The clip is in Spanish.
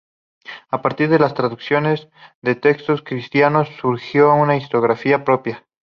A partir de las traducciones de textos cristianos surgió una historiografía propia.